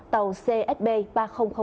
tàu csb ba nghìn một